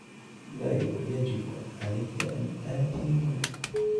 لا يجب علي أن آتي هنا.